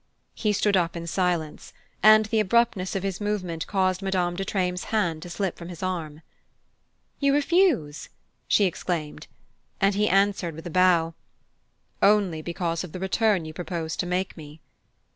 He stood up in silence, and the abruptness of his movement caused Madame de Treymes' hand to slip from his arm. "You refuse?" she exclaimed; and he answered with a bow: "Only because of the return you propose to make me."